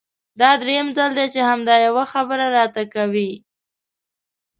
دا درېيم ځل دی چې همدا يوه خبره راته کوې!